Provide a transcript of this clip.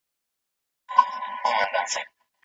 نوي شیان د ژوند خوند زیاتوي.